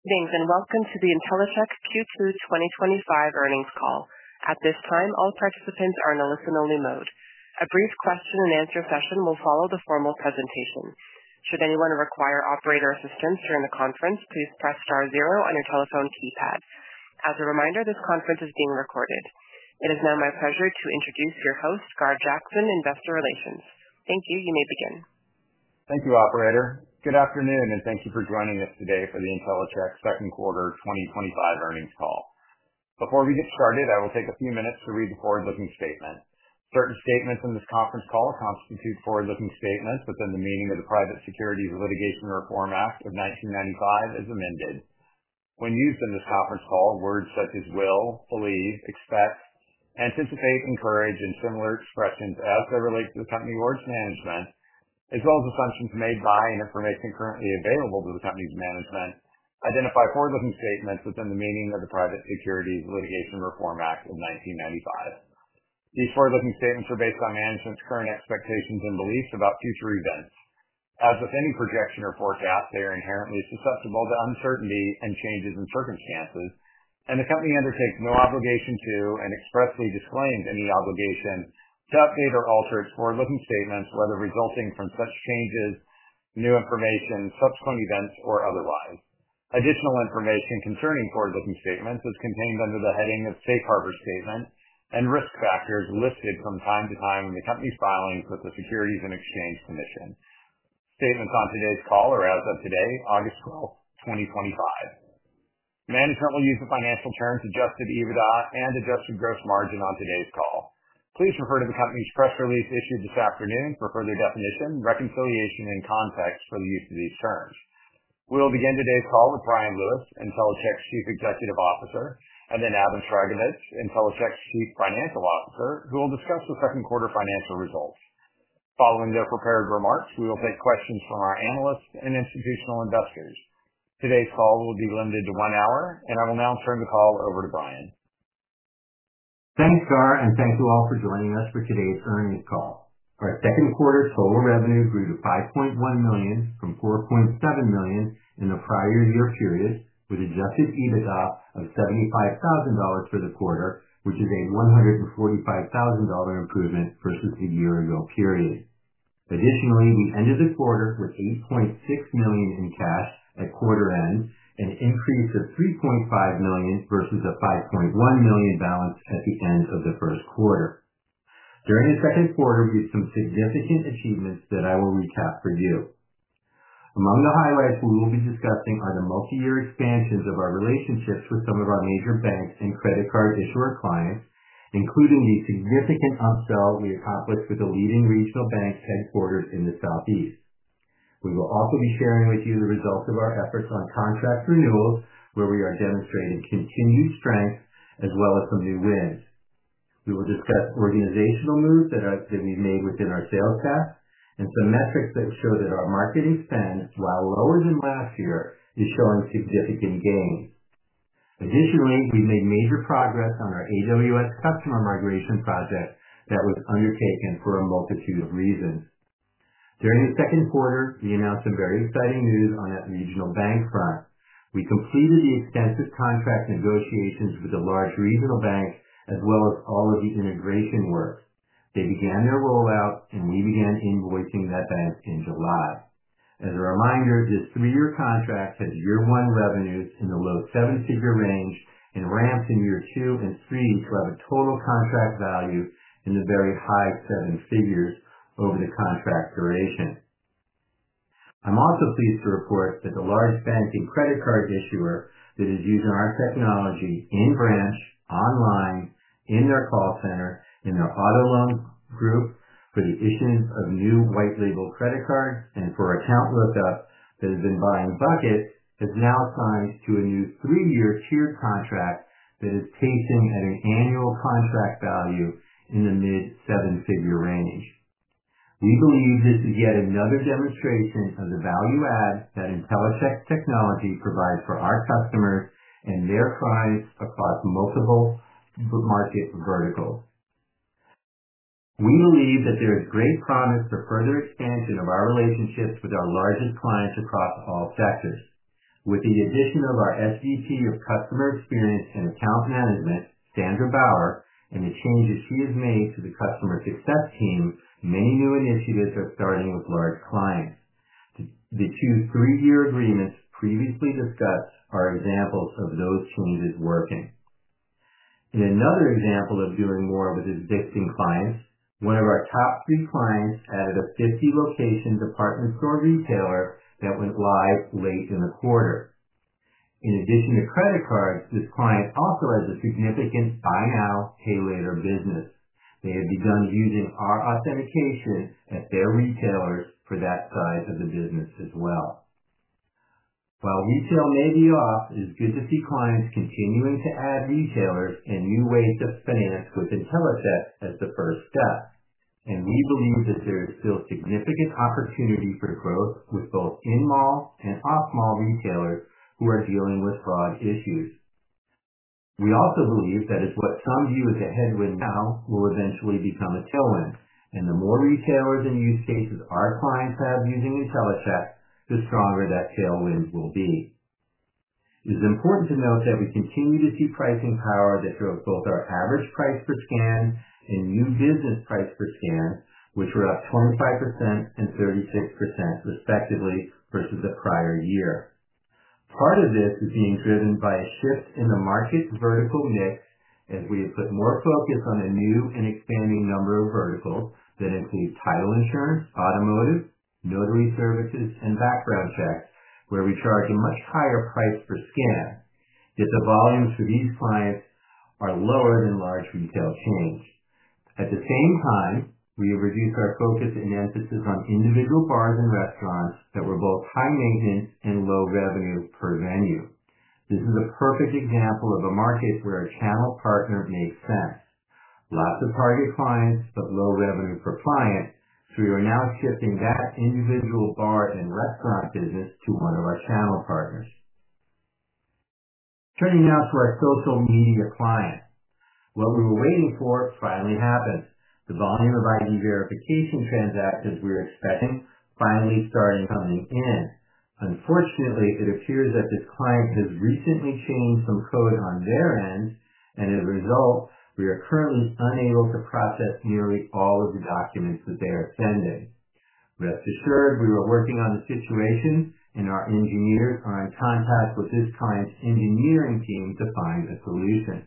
And welcome to the Intellicheck Q2 2025 Earnings Call. At this time, all participants are in a listen-only mode. A brief question and answer session will follow the formal presentation. Should anyone require operator assistance during the conference, please press star zero on your telephone keypad. As a reminder, this conference is being recorded. It is now my pleasure to introduce your host, Gar Jackson, Investor Relations. Thank you. You may begin. Thank you, operator. Good afternoon, and thank you for joining us today for the Intellicheck Second Quarter 2025 Earnings Call. Before we get started, I will take a few minutes to read the forward-looking statement. Certain statements in this conference call constitute forward-looking statements within the meaning of the Private Securities Litigation Reform Act of 1995 as amended. When used in this conference call, words such as will, believe, expect, anticipate, encourage, and similar expressions, as to relate to the company's management, as well as assumptions made by and information currently available to the company's management, identify forward-looking statements within the meaning of the Private Securities Litigation Reform Act of 1995. These forward-looking statements are based on management's current expectations and beliefs about future events. As with any projection or forecast, they are inherently susceptible to uncertainty and changes in circumstances, and the company undertakes no obligation to, and expressly disclaims any obligation to update or alter its forward-looking statements whether resulting from such changes, new information, subsequent events, or otherwise. Additional information concerning forward-looking statements is contained under the heading of Safe Harbor Statement and risk factors listed from time to time in the company's filings with the Securities and Exchange Commission. Statements on today's call are as of today, August 12, 2025. Management will use the financial terms adjusted EBITDA and adjusted gross margin on today's call. Please refer to the company's press release issued this afternoon for further definition, reconciliation, and context for the use of these terms. We'll begin today's call with Bryan Lewis, Intellicheck Chief Executive Officer, and then Adam Sragovicz, Intellicheck Chief Financial Officer, who will discuss the second quarter financial results. Following their prepared remarks, we will take questions from our analysts and institutional investors. Today's call will be limited to one hour, and I will now turn the call over to Bryan. Thanks, Gar, and thank you all for joining us for today's earnings call. Our second quarter's total revenue grew to $5.1 million from $4.7 million in the prior year period, with an adjusted EBITDA of $75,000 for the quarter, which is a $145,000 improvement versus a year ago period. Additionally, we ended the quarter with $8.6 million in cash at quarter end, an increase of $3.5 million versus a $5.1 million balance at the end of the first quarter. During the second quarter, we had some significant achievements that I will recap for you. Among the highlights we will be discussing are the multi-year expansions of our relationships with some of our major banks and credit card issuer clients, including the significant upsell we accomplished with the leading regional banks headquartered in the Southeast. We will also be sharing with you the results of our efforts on contract renewals, where we are demonstrating continued strength, as well as some new wins. We will discuss organizational moves that we've made within our sales staff and some metrics that show that our marketing spend, while lower than last year, is showing significant gains. Additionally, we've made major progress on our AWS customer migration project that was undertaken for a multitude of reasons. During the second quarter, we announced some very exciting news on that regional bank front. We completed the extensive contract negotiations with the large regional banks, as well as all of the integration work. They began their rollout, and we began invoicing that bank in July. As a reminder, this three-year contract has year-one revenues in the low seven-figure range and ramps in year two and three to have a total contract value in the very high seven figures over the contract duration. I'm also pleased to report that the large bank and credit card issuer that is using our technology in branch, online, in their call center, in their auto loan group, for the issuance of new white label credit cards and for account lookup that has been buying buckets, has now signed to a new three-year tiered contract that is pacing at an annual contract value in the mid-seven-figure range. We believe this is yet another demonstration of the value add that Intellicheck's technology provides for our customers and their clients across multiple market verticals. We believe that there is great promise for further expansion of our relationships with our largest clients across all sectors. With the addition of our SVP of Customer Experience and Account Management, Sandra Bauer, and the changes she has made to the customer success team, many new initiatives are starting with large clients. The two three-year agreements previously discussed are examples of those changes working. In another example of doing more with existing clients, one of our top three clients added a 50-location department store retailer that went live late in the quarter. In addition to credit cards, this client also has a significant buy now, pay later business. They have begun using our authentication at their retailers for that side of the business as well. While retail may be off, it is good to see clients continuing to add retailers and new ways to finance with Intellicheck as the first step. We believe that there is still significant opportunity for growth with both in-mall and off-mall retailers who are dealing with fraud issues. We also believe that what some view as a headwind now will eventually become a tailwind. The more retailers and use cases our clients have using Intellicheck, the stronger that tailwind will be. It is important to note that we continue to see pricing power that shows both our average price per scan and new business price per scan, which were up 25% and 36% respectively versus the prior year. Part of this is being driven by a shift in the market vertical mix, as we have put more focus on a new and expanding number of verticals that include title insurance, automotive, notary services, and background checks, where we charge a much higher price per scan. The volumes for these clients are lower than large retail chains. At the same time, we have reduced our focus and emphasis on individual bars and restaurants that were both high maintenance and low revenues per venue. This is a perfect example of a market where a channel partner makes sense. Lots of target clients of low revenue per client, so we are now shifting that individual bar and restaurant business to one of our channel partners. Turning now to our social media client. What we were waiting for finally happens. The volume of ID verification transactions we were expecting finally started coming in. Unfortunately, it appears that this client has recently changed some code on their end, and as a result, we are currently unable to process nearly all of the documents that they are sending. Rest assured, we are working on the situation, and our engineers are in contact with this client's engineering team to find a solution.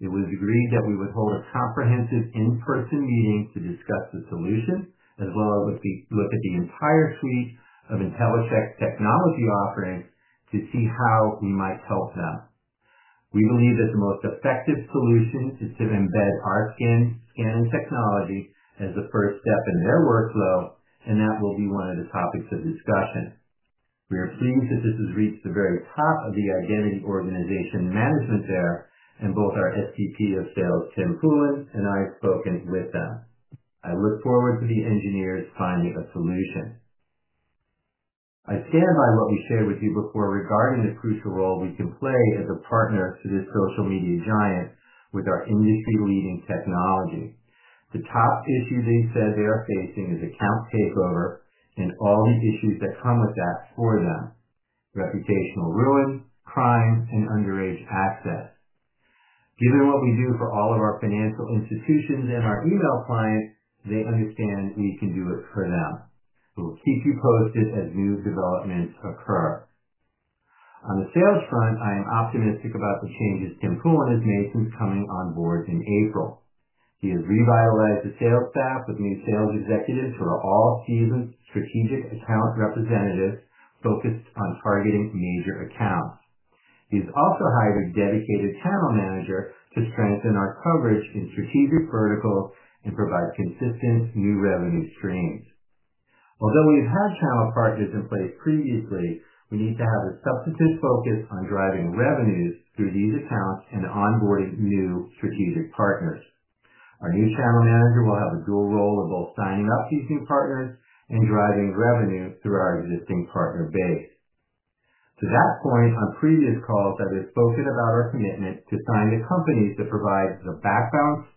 It was agreed that we would hold a comprehensive in-person meeting to discuss the solution, as well as look at the entire suite of Intellicheck technology offerings to see how we might help them. We believe that the most effective solution is to embed our scanning technology as the first step in their workflow, and that will be one of the topics of discussion. We are pleased that this has reached the very top of the identity verification management organization there, and both our SVP of Sales, Tim Poulin, and I have spoken with them. I look forward to the engineers finding a solution. I stand by what we shared with you before regarding the crucial role we can play as a partner to this social media giant with our industry-leading technology. The top issue they said they are facing is account takeover and all the issues that come with that for them: reputational ruin, crime, and underage access. Given what we do for all of our financial institutions and our email clients, they understand we can do it for them. We'll keep you posted as new developments occur. On the sales front, I am optimistic about the changes Tim Poulin has made since coming on board in April. He has revitalized the sales staff with new sales executives who are all seasoned strategic account representatives focused on targeting major accounts. He's also hired a dedicated channel manager to strengthen our coverage in strategic verticals and provide consistent new revenue streams. Although we've had channel partners in place previously, we need to have a substantive focus on driving revenues through these accounts and onboarding new strategic partners. Our new channel manager will have a dual role of both signing up existing partners and driving revenue through our existing partner base. To that point, on previous calls, I've spoken about our commitment to finding companies that provide the backbone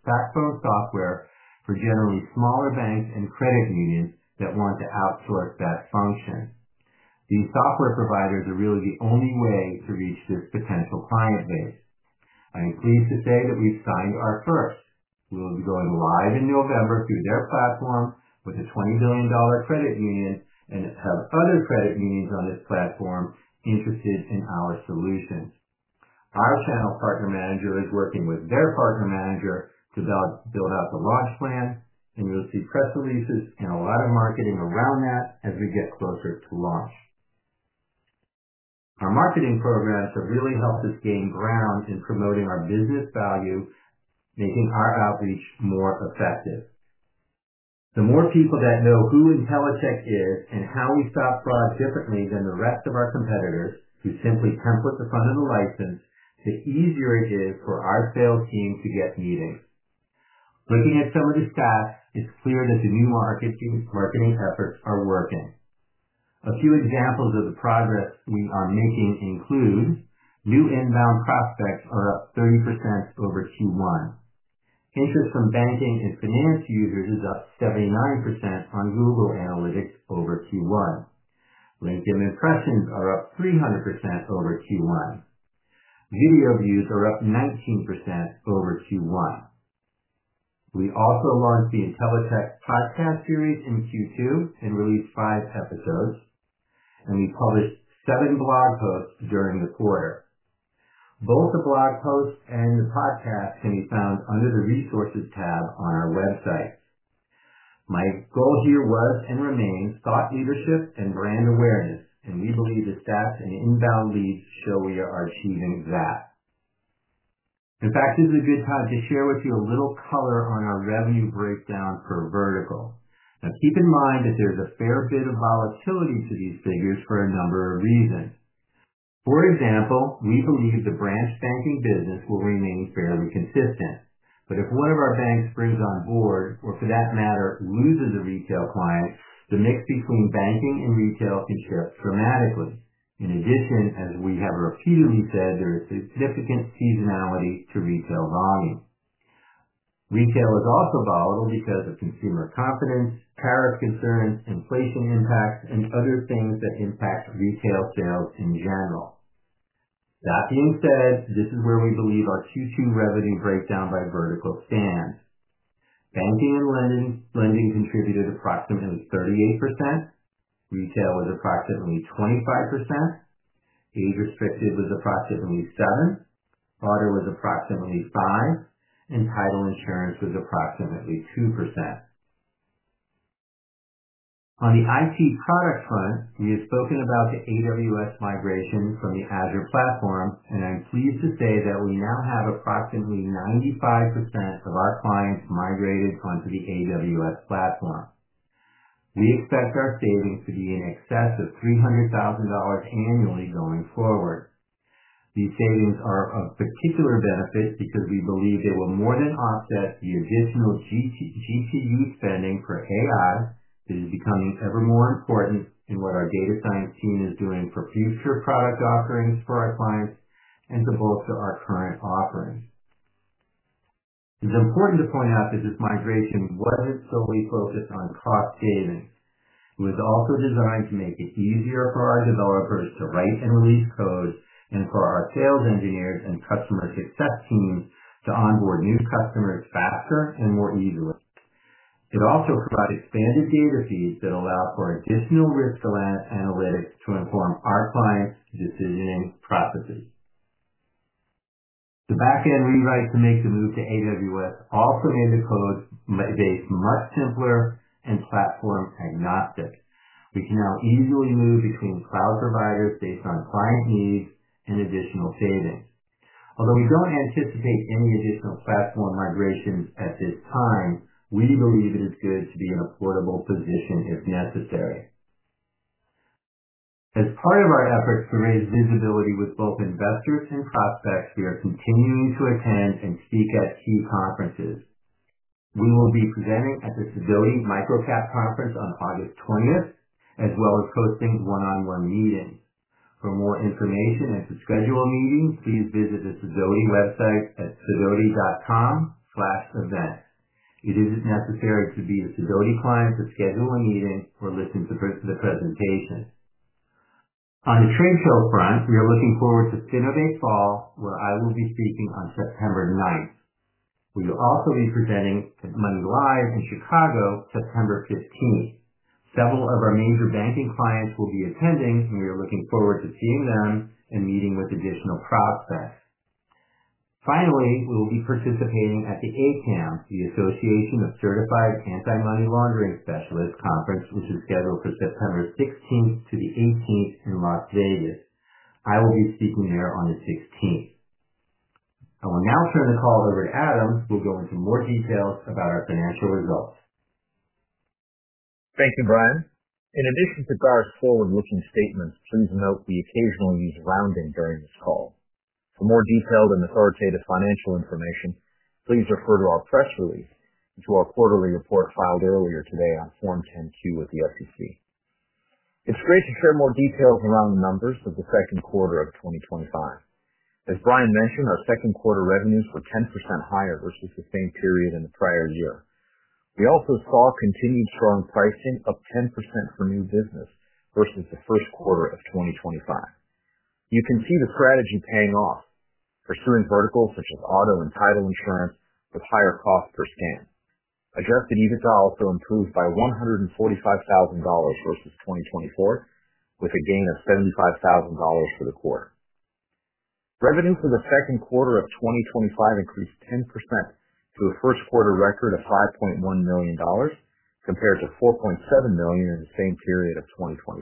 software for generally smaller banks and credit unions that want to outsource that function. These software providers are really the only way to reach this potential client base. I am pleased to say that we've signed our first. We will be going live in November through their platform with a $20 billion credit union and have other credit unions on this platform interested in our solutions. Our channel partner manager is working with their partner manager to build out the launch plan, and you'll see press releases and a lot of marketing around that as we get closer to launch. Our marketing programs have really helped us gain ground in promoting our business value, making our outreach more effective. The more people that know who Intellicheck is and how we stop fraud differently than the rest of our competitors who simply come with the fundamental license, the easier it is for our sales team to get meetings. Looking at some of the stats, it's clear that the new marketing efforts are working. A few examples of the progress we are making include new inbound prospects are up 30% over Q1. Interest from banking and stimulus users is up 79% on Google Analytics over Q1. LinkedIn impressions are up 300% over Q1. Video views are up 19% over Q1. We also launched the Intellicheck podcast series in Q2 and released five episodes, and we published seven blog posts during the quarter. Both the blog posts and the podcast can be found under the resources tab on our website. My goal here was and remains thought leadership and brand awareness, and we believe the stats and the inbound leads show we are achieving that. In fact, this is a good time to share with you a little color on our revenue breakdown per vertical. Now, keep in mind that there's a fair bit of volatility to these figures for a number of reasons. For example, we believe the branch banking business will remain fairly consistent. If one of our banks springs on board, or for that matter, loses a retail client, the mix between banking and retail can shift dramatically. In addition, as we have repeatedly said, there is significant seasonality to retail volume. Retail is also volatile because of consumer confidence, tariff concerns, and pricing impacts, and other things that impact retail sales in general. That being said, this is where we believe our Q2 revenue breakdown by vertical stands. Banking and lending contributed approximately 38%. Retail was approximately 25%. Age restrictive was approximately 7%. Audit was approximately 5%. Title insurance was approximately 2%. On the IT product front, we have spoken about the AWS migration from the Azure platform, and I'm pleased to say that we now have approximately 95% of our clients migrated onto the AWS platform. We expect our savings to be in excess of $300,000 annually going forward. These savings are of particular benefit because we believe they will more than offset the additional GPU spending for AI that is becoming ever more important in what our data science team is doing for future product offerings for our clients and to bolster our current offering. It's important to point out that this migration wasn't solely focused on cost savings. It was also designed to make it easier for our developers to write and release code, and for our sales engineers and customer success teams to onboard new customers faster and more easily. It also provided standard data feeds that allow for additional risk analytics to inform our clients' decision process. The backend rewrite that makes a move to AWS also made the code base much simpler and platform agnostic. We can now easily move between cloud providers based on client needs and additional savings. Although we don't anticipate any additional platform migrations at this time, we believe it is good to be in a portable position if necessary. As part of our efforts to raise visibility with both investors and prospects, we are continuing to attend and speak at key conferences. We will be presenting at the Stifel MicroCap Conference on August 20th, as well as hosting one-on-one meetings. For more information and to schedule meetings, please visit the Stifel website at stifel.com/events. It isn't necessary to be a Stifel client to schedule a meeting or listen to the presentation. On the trade show front, we are looking forward to FinovateFall, where I will be speaking on September 9th. We will also be presenting at MoneyLIVE in Chicago, September 15th. Several of our major banking clients will be attending, and we are looking forward to seeing them and meeting with additional prospects. Finally, we will be participating at the ACAMS, the Association of Certified Anti-Money Laundering Specialists conference, which is scheduled for September 16th-18th in Las Vegas. I will be speaking there on the 16th. I will now turn the call over to Adam, who will go into more details about our financial results. Thank you, Bryan. In addition to Gar's forward-looking statements, please note we occasionally use rounding during this call. For more detailed and authoritative financial information, please refer to our press release and to our quarterly report filed earlier today on Form 10-Q with the SEC. It's great to share more details around the numbers of the second quarter of 2025. As Bryan mentioned, our second quarter revenues were 10% higher versus the same period in the prior year. We also saw continued strong pricing up 10% for new business versus the first quarter of 2025. You can see the strategy paying off, pursuing verticals such as auto and title insurance with higher costs per scan. Adjusted EBITDA also improved by $145,000 versus 2024, with a gain of $75,000 for the quarter. Revenue for the second quarter of 2025 increased 10% to a first-quarter record of $5.1 million compared to $4.7 million in the same period of 2024.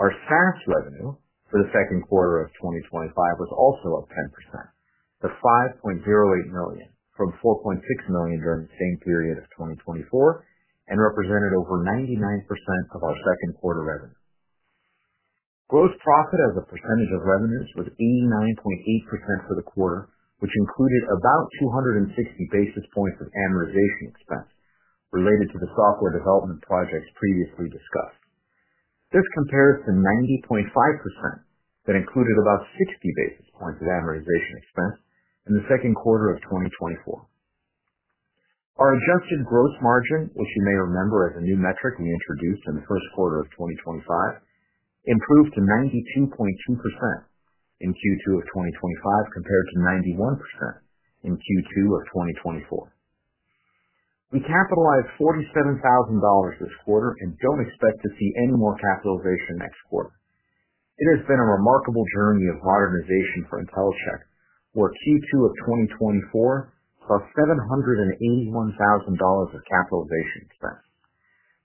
Our sales revenue for the second quarter of 2025 was also up 10% to $5.08 million from $4.6 million during the same period of 2024 and represented over 99% of our second quarter revenue. Gross profit as a percentage of revenues was 89.8% for the quarter, which included about 260 basis points of amortization expense related to the software development projects previously discussed. This compares to 90.5% that included about 60 basis points of amortization expense in the second quarter of 2024. Our adjusted gross margin, which you may remember as a new metric we introduced in the first quarter of 2025, improved to 92.2% in Q2 of 2025 compared to 91% in Q2 of 2024. We capitalized $47,000 this quarter and don't expect to see any more capitalization next quarter. It has been a remarkable journey of modernization for Intellicheck, where Q2 of 2024 cost $781,000 of capitalization expense.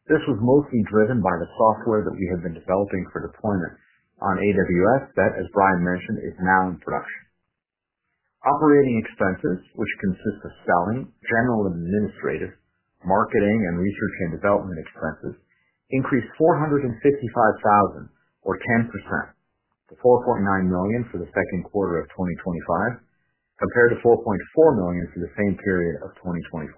This was mostly driven by the software that we have been developing for deployments on AWS that, as Bryan mentioned, is now in production. Operating expenses, which consist of selling, general administrative, marketing, and research and development expenses, increased $455,000 or 10% to $4.9 million for the second quarter of 2025 compared to $4.4 million for the same period of 2024.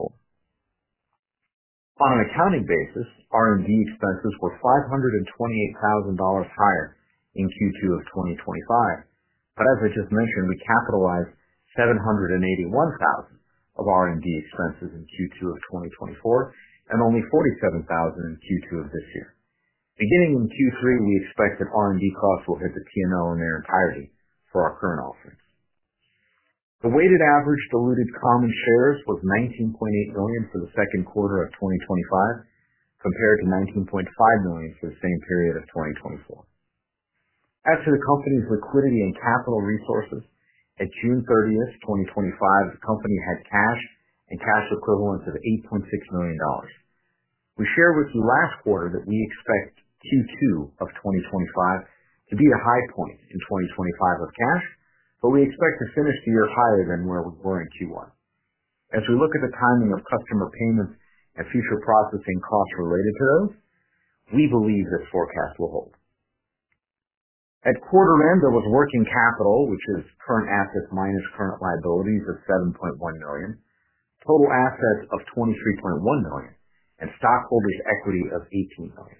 On an accounting basis, R&D expenses were $528,000 higher in Q2 of 2025. As I just mentioned, we capitalized $781,000 of R&D expenses in Q2 of 2024 and only $47,000 in Q2 of this year. Beginning in Q3, we expect that R&D costs will hit the P&L in their entirety for our current offering. The weighted average diluted common shares was 19.8 million for the second quarter of 2025 compared to 19.5 million for the same period of 2024. As for the company's liquidity and capital resources, at June 30th, 2025, the company had cash and cash equivalents of $8.6 million. We shared with you last quarter that we expect Q2 of 2025 to be a high point in 2025 of cash, but we expect to finish the year higher than where we were in Q1. As we look at the timing of customer payments and future processing costs related to those, we believe that forecasts will hold. At quarter end, there was working capital, which is current assets minus current liabilities, of $7.1 million, total assets of $23.1 million, and stockholders' equity of $18 million.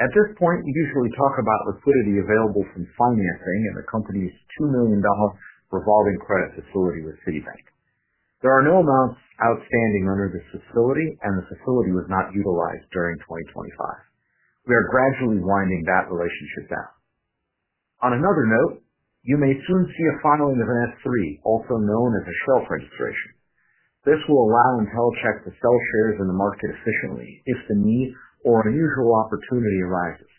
At this point, you usually talk about liquidity available from financing and the company's $2 million revolving credit facility with Citibank. There are no amounts outstanding under this facility, and the facility was not utilized during 2025. We are gradually winding that relationship down. On another note, you may soon see a final advance three, also known as a shelf registration. This will allow Intellicheck to sell shares in the market efficiently if the need or unusual opportunity arises.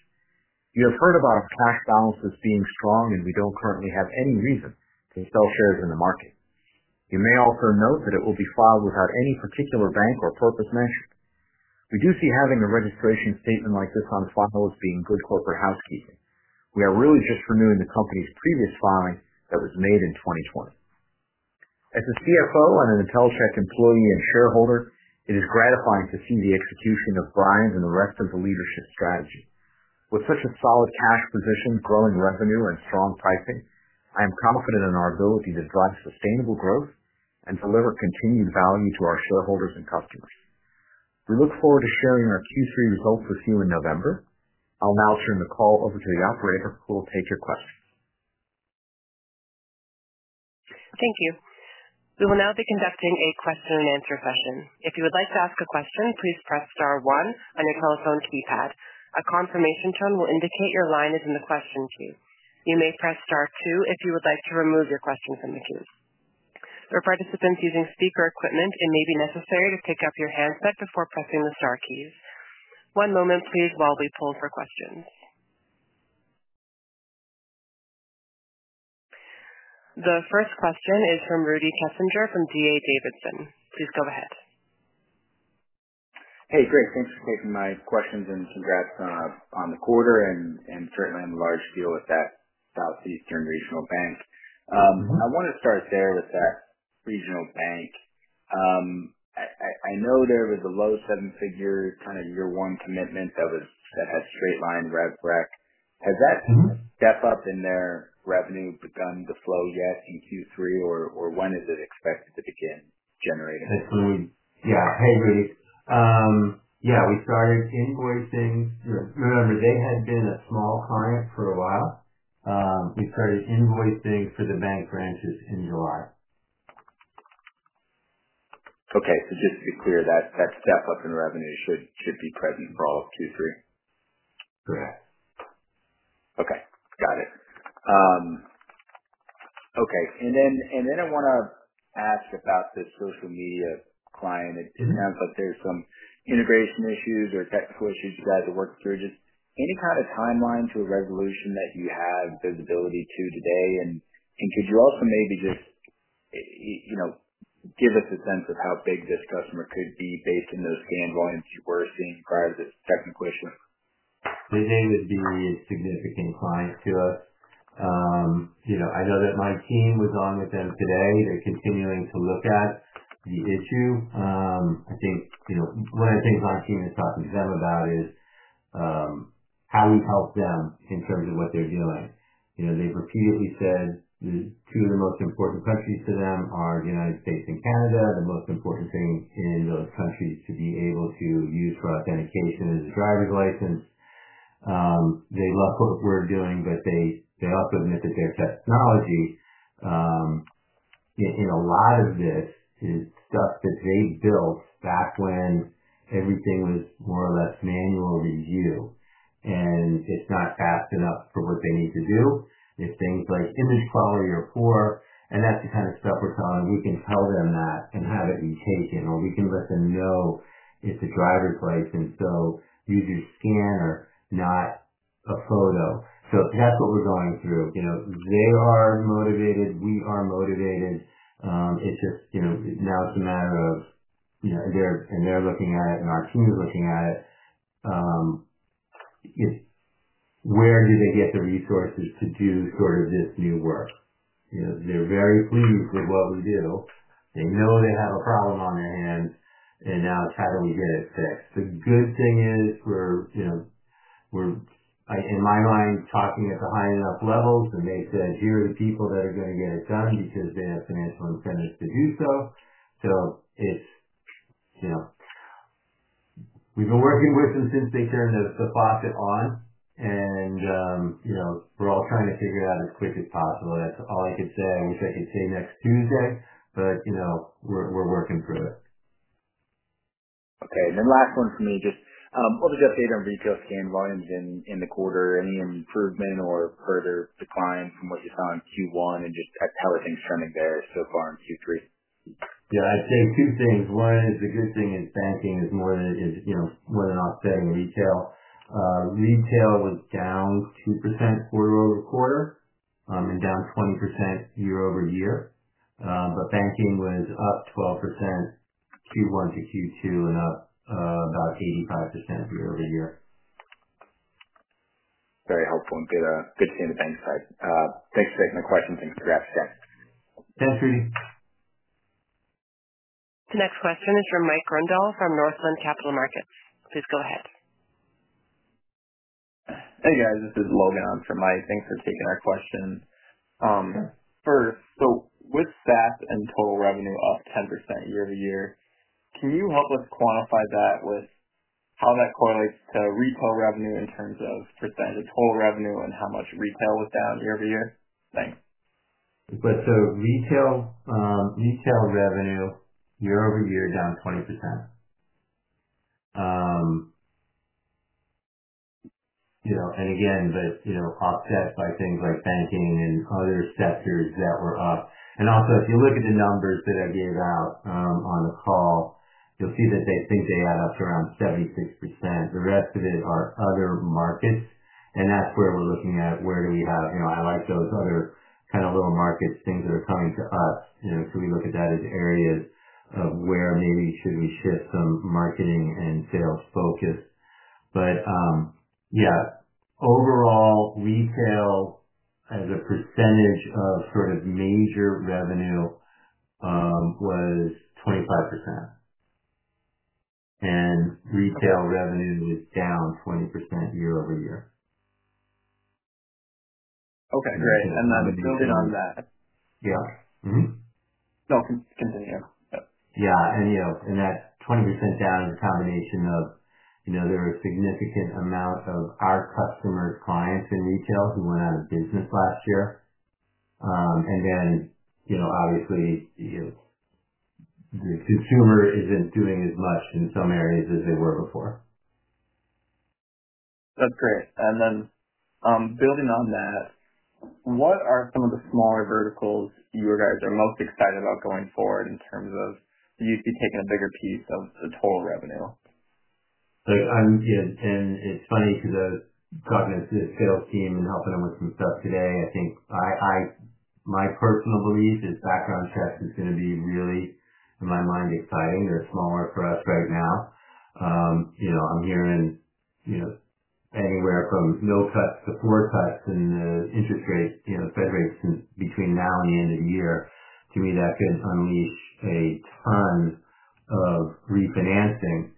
You have heard about us past balances being strong, and we don't currently have any reason to sell shares in the market. You may also note that it will be filed without any particular bank or corporate mention. We do see having a registration statement like this on file as being good corporate housekeeping. We are really just renewing the company's previous filing that was made in 2020. As a CFO and an Intellicheck employee and shareholder, it is gratifying to see the execution of Bryan's and the rest of the leadership strategy. With such a solid cash position, growing revenue, and strong pricing, I am confident in our ability to drive sustainable growth and deliver continued value to our shareholders and customers. We look forward to sharing our Q3 results with you in November. I'll now turn the call over to the operator who will take your questions. Thank you. We will now be conducting a question and answer session. If you would like to ask a question, please press star one on your telephone keypad. A confirmation tone will indicate your line is in the question queue. You may press star two if you would like to remove your questions in the queue. For participants using speaker equipment, it may be necessary to pick up your handset before pressing the star keys. One moment, please, while we pull for questions. The first question is from Rudy Kessinger from D.A. Davidson. Please go ahead. Hey, great. Thanks for holding my questions and suggestions on the quarter, and certainly I'm a large deal at that Southeastern regional bank. I want to start there with the regional bank. I know there was a low seven-figure kind of year-one commitment that was a straight-line rev rec. Has that step up in their revenue begun to flow yet in Q3, or when is it expected to begin generating? Yeah. Hey, Rudy. We started invoicing. Remember, they had been a small client for a while. We started invoicing for the bank branches in July. Okay. This is a clear last-tech step up in revenue that should be present in fall Q3. Correct. Okay. Got it. Okay. I want to ask about the social media client. It sounds like there's some integration issues or tech choices you'd like to work through. Just any kind of timeline to a resolution that you have visibility to today? Could you also maybe just, you know, give us a sense of how big this customer could be based on those scan volumes you were seeing prior to this technical issue? Visiting is giving me significant clients to us. I know that my team was on with them today. They're continuing to look at the issue. I think one of the things my team is talking to them about is, how do we help them in terms of what they're doing? They've repeatedly said the two of the most important countries to them are the U.S. and Canada. The most important thing in those countries to be able to use for authentication is a driver's license. They love what we're doing, but they also look at their technology. A lot of this is stuff that they built back when everything was more or less manual review, and it's not fast enough for what they need to do. If things like image quality are poor, and that's the kind of stuff we're talking about, we can tell them that and have it be taken, or we can let them know it's a driver's license, so use your scanner, not a photo. That's what we're going through. They are motivated. We are motivated. It's just now it's a matter of, and they're looking at it, and our team is looking at it, where do they get the resources to do sort of this new work? They're very pleased with what we do. They know they have a problem on their hands, and now it's how do we get it fixed? The good thing is we're, in my mind, talking at the high enough levels when they said, "Here are the people that are going to get it done because they have financial incentives to do so." We've been working with them since they turned the faucet on, and we're all trying to figure it out as quick as possible. That's all I could say. I wish I could say next Tuesday, but we're working through it. Okay. The last one for me, just, what was the update on retail scan volumes in the quarter? Any improvement or further decline from what you saw in Q1? How are things turning there so far in Q3? I'd say two things. One is the good thing is banking is more than offsetting retail. Retail was down 2% quarter-over-quarter, and down 20% year-over-year, but banking was up 12% Q1 to Q2 and up about 85% year-over-year. Very helpful and good, good to hear the bank side. Thanks for taking the question. Thanks for your update. Thanks, Rudy. The next question is from Mike Grondahl from Northland Capital Markets. Please go ahead. Hey, guys. This is Logan on for Mike. Thanks for taking our question. First, with SaaS and total revenue up 10% year-over-year, can you help us quantify that with how that correlates to retail revenue in terms of % of total revenue and how much retail went down year- over-year? Thanks. Retail revenue year-over-year is down 20%. That's offset by things like banking and other sectors that were up. If you look at the numbers that I gave out on the call, you'll see that they add up to around 76%. The rest of it is other markets. That's where we're looking at where do we have, I like those other kind of little markets, things that are coming to us. Can we look at that as areas of where maybe we should shift some marketing and sales focus? Overall, retail as a percentage of major revenue was 25%, and retail revenue is down 20% year-over-year. Okay. Great. Building on that. Yeah. Mm-hmm. Go ahead. Continue. Yeah, that's 20% down in the combination of, you know, there are a significant amount of our customer clients in retail who went out of business last year, and then, you know, obviously, you know, the consumer isn't doing as much in some areas as they were before. That's great. Building on that, what are some of the smaller verticals you guys are most excited about going forward in terms of do you see taking a bigger piece of the total revenue? I would say, it's funny because I was talking to the sales team and helping them with some stuff today. I think my personal belief is background checks is going to be really, in my mind, exciting or smaller for us right now. I'm hearing anywhere from no cuts to four cuts in the interest rate, you know, the Fed rates between now and the end of the year. To me, that could unleash a ton of refinancing.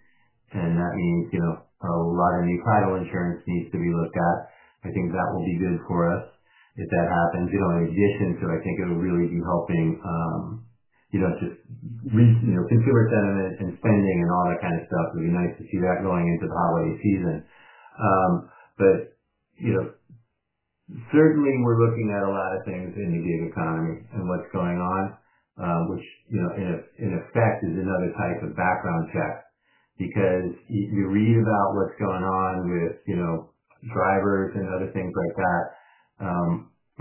That means a lot of new title insurance needs to be looked at. I think that will be good for us if that happens. In addition to, I think it'll really be helping, just recently, since we looked at it and spending and all that kind of stuff, it would be nice to see that going into the holiday season. Certainly, we're looking at a lot of things in the gig economy and what's going on, which, in effect, is another type of background check because you read about what's going on with drivers and other things like that.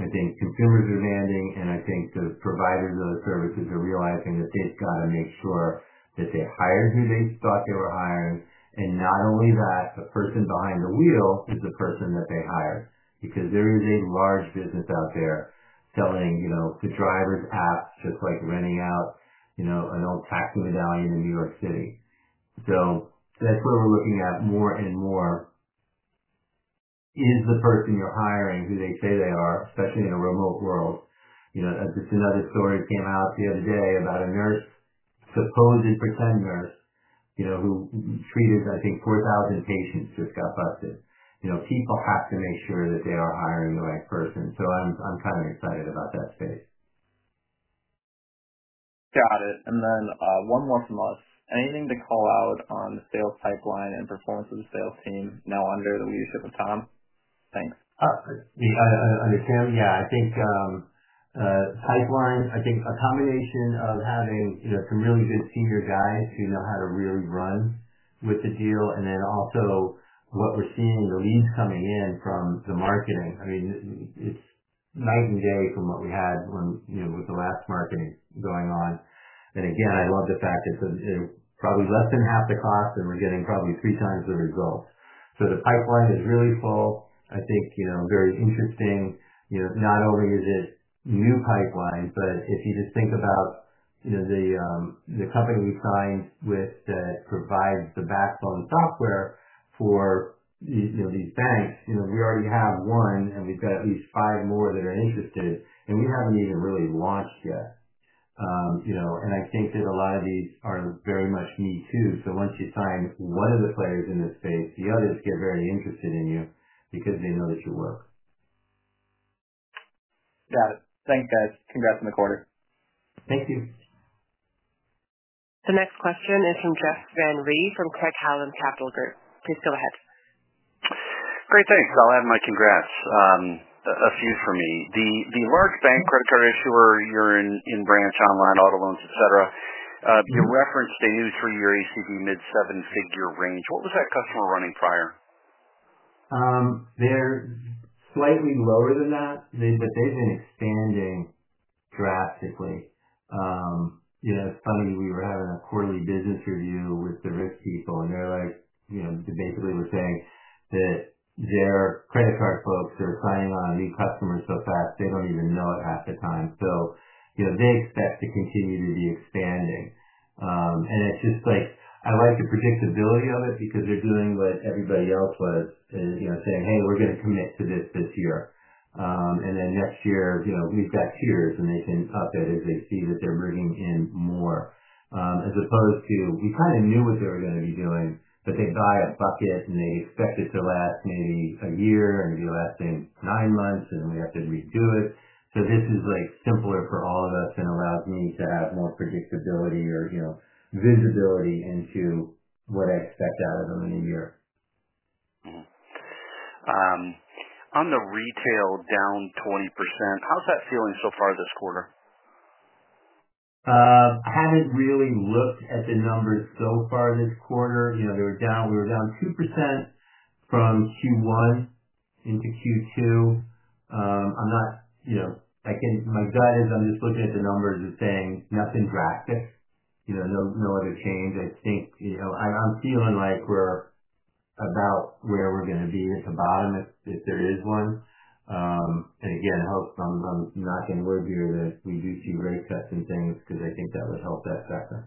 I think consumers are demanding, and I think the providers of those services are realizing that they've got to make sure that they hire who they thought they were hiring. Not only that, the person behind the wheel is the person that they hired because there is a large business out there selling to drivers apps just like renting out an old taxi medallion in New York City. That's where we're looking at more and more, is the person you're hiring who they say they are, especially in a remote world. Just another story came out the other day about a nurse, supposed pretend nurse, who treated, I think, 4,000 patients just got busted. People have to make sure that they are hiring the right person. I'm kind of excited about that space. Got it. One more from us. Anything to call out on the sales pipeline and performance of the sales team now under the leadership of Tim? Thanks. I think, pipeline, I think a combination of having, you know, some really good senior guys who know how to really run with the deal, and then also what we're seeing, the leads coming in from the marketing. I mean, it's night and day from what we had when, you know, with the last marketing going on. I love the fact that it's probably less than half the cost, and we're getting probably three times the results. The pipeline is really full. I think, you know, very interesting, you know, not only are these new pipelines, but if you just think about, you know, the company we signed with that provides the backbone software for, you know, these banks, we already have one, and we've got at least five more that are interested, and we haven't even really launched yet. I think that a lot of these are very much me too. Once you sign one of the players in this space, the others get very interested in you because they know this will work. Got it. Thank you, guys. Congrats on the quarter. Thank you. The next question is from Jeff Van Rhee from Craig-Hallum Capital Group. Please go ahead. Great, thanks. I'll add my congrats. A few from me. The large bank credit card issue where you're in branch, online, auto loans, etc., you referenced they moved from your ACB mid-seven-figure range. What was that customer running prior? They're slightly lower than that, but they've been expanding drastically. It's funny, we were having a quarterly business review with the risk people, and they basically were saying that their credit card folks are signing on new customers so fast, they don't even know it half the time. They expect to continue to be expanding. I like the predictability of it because they're doing what everybody else was, and saying, "Hey, we're going to commit to this this year." Next year, we've got tiers, and they can up it as they see that they're bringing in more. As opposed to, we kind of knew what they were going to be doing, but they buy a bucket, and they expect it to last maybe a year and maybe lasting nine months, and then we have to redo it. This is simpler for all of us and allows me to have more predictability or visibility into what I expect out of them in a year. On the retail down 20%, how's that feeling so far this quarter? I haven't really looked at the numbers so far this quarter. We were down 2% from Q1 into Q2. I'm not, you know, my gut is I'm just looking at the numbers and saying nothing drastic. No other change. I think I'm feeling like we're about where we're going to be at the bottom if there is one. I'm not going to word beer this. We do see rate cuts and things because I think that would help us better.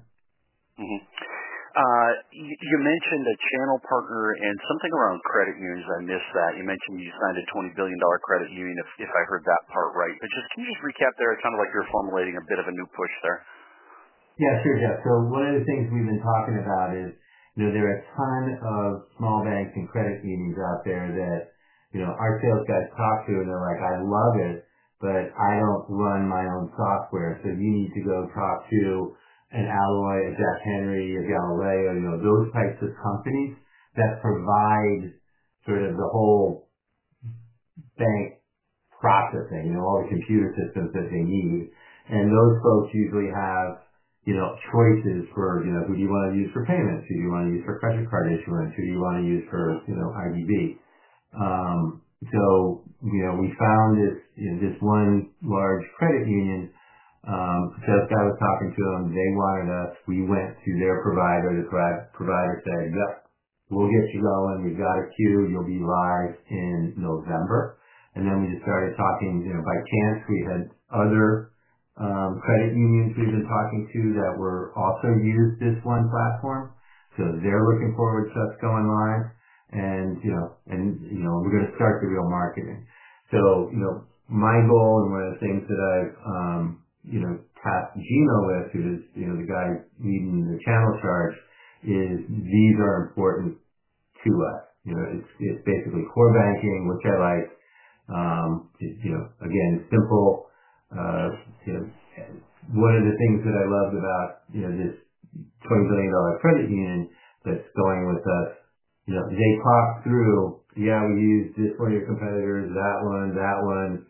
You mentioned a channel partner and something around credit unions. I missed that. You mentioned you signed a $20 billion credit union, if I heard that part right. Can you just recap there? It sounded like you're formulating a bit of a new push there. Yeah, sure, Jeff. One of the things we've been talking about is, you know, there are a ton of small banks and credit unions out there that our sales guys talk to, and they're like, "I love it, but I don't run my own software." You need to go talk to an Alloy, a Zelle Henry, a Galileo, those types of companies that provide sort of the whole bank processing, all the computer systems that they need. Those folks usually have choices for who do you want to use for payments, who do you want to use for credit insurance, who do you want to use for IDV. We found this one large credit union that was talking to them. They wired us. We went to their provider. The provider said, "Yep, we'll get you going. You've got a queue. You'll be live in November." We just started talking by chance. We had other credit unions we've been talking to that were also using this one platform. They're looking forward to us going live, and we're going to start the real marketing. My goal and one of the things that I've caught Gmail with is, you know, the guy leading the channel search is these are important to us. It's basically core banking. What's our life? Again, it's simple. One of the things that I loved about this $20 billion credit union that's going with us, they talked through, "Yeah, we used this one of your competitors, that one, that one."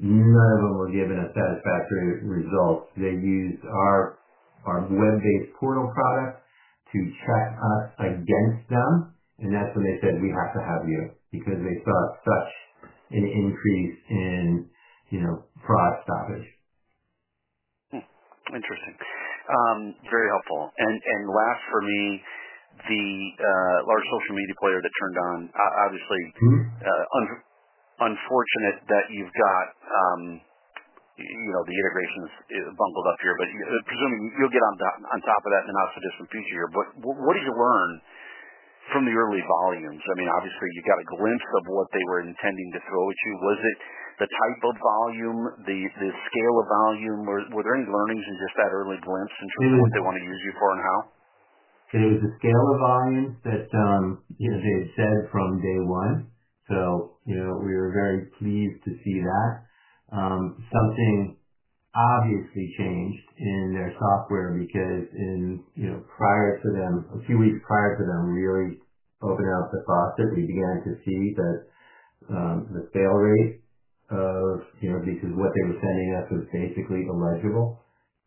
None of them were given a satisfactory result. They used our web-based portal product to track us against them, and that's when they said, "We have to have you," because they saw such an increase in fraud stoppage. Interesting. Very helpful. Last for me, the large social media player that turned on, obviously, unfortunate that you've got the integration issues here, presuming you'll get on top of that in the U.S. to do some things here. What did you learn from the early volumes? Obviously, you got a glimpse of what they were intending to throw at you. Was it the type of volume, the scale of volume? Were there any learnings in just that early glimpse in terms of what they want to use you for and how? There was a scale of volumes that, you know, they had said from day one. We were very pleased to see that. Something obviously changed in their software because, you know, a few weeks prior to them, we really opened up the faucet. We began to see that the sale rate of, you know, this is what they were sending us, was basically illegible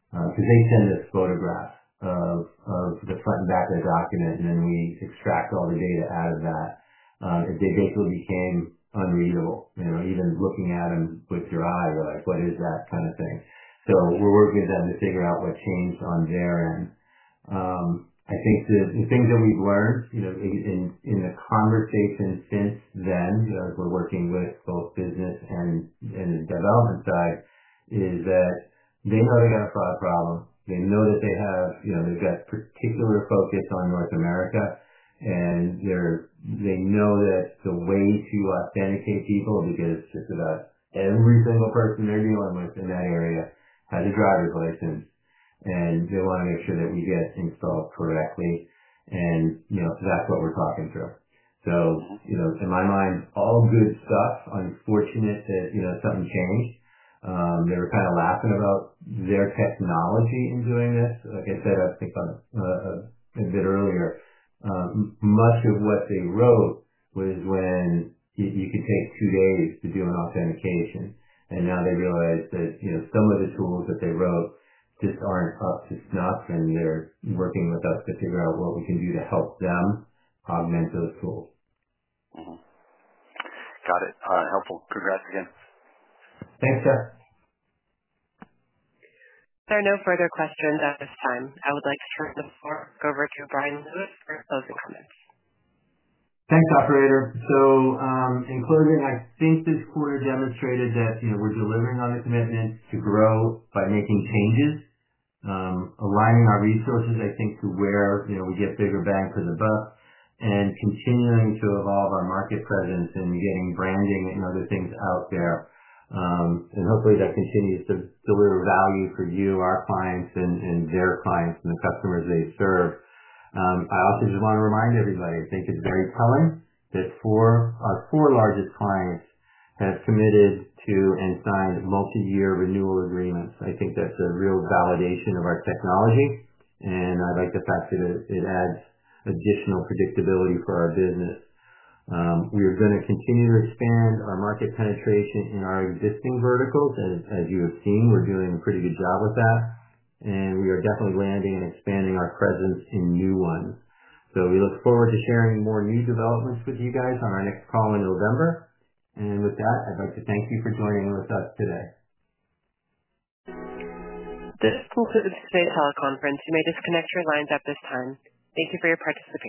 because they send us photographs of the front and back of the document, and then we extract all the data out of that. It did go through, became unreadable. Even looking at them with your eyes, what is that kind of thing? We are working with them to figure out what changed on their end. I think the things that we've learned in the conversation since then, as we're working with both business and the development side, is that they know they got a fraud problem. They know that they have, you know, there's that particular focus on North America. They know that the way to authenticate people, because it's about every single person they're dealing with in that area, has a driver's license. They want to make sure that we get things spelled correctly, and that's what we're talking through. In my mind, all good stuff. Unfortunate that something changed. They were kind of laughing about their technology in doing this. Like I said, I picked on it a bit earlier. Much of what they wrote was when you could take two days to do an authentication. Now they realize that some of the tools that they wrote just aren't up to snuff, and they're working with us to figure out what we can do to help them augment those tools. Got it. All right. Helpful. Congrats again. Thanks, sir. There are no further questions at this time. I would like to turn the floor over to Bryan for closing comments. Thanks, operator. In closing, I think this quarter demonstrated that we're delivering on a commitment to grow by making changes, aligning our resources to where we get bigger bang for the buck, and continuing to evolve our market presence and getting branding and other things out there. Hopefully, that continues to deliver value for you, our clients, and their clients and the customers they serve. I also just want to remind everybody, I think it's very telling that four of our four largest clients have committed to and signed multi-year renewal agreements. I think that's a real validation of our technology. I'd like to pass it as it adds additional predictability for our business. We are going to continue to expand our market penetration in our existing verticals. As you have seen, we're doing a pretty good job with that, and we are definitely landing and expanding our presence in new ones. We look forward to sharing more new developments with you guys on our next call in November. With that, I'd like to thank you for joining with us today. This concludes today's teleconference. You may disconnect your lines at this time. Thank you for your participation.